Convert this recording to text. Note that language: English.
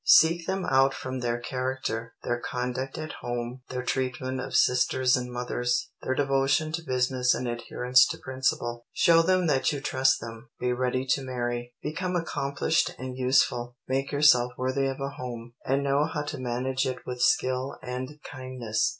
Seek them out from their character, their conduct at home, their treatment of sisters and mothers, their devotion to business and adherence to principle. Show them that you trust them. Be ready to marry. Become accomplished and useful. Make yourself worthy of a home, and know how to manage it with skill and kindness.